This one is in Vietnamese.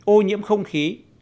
ô nhiễm không khí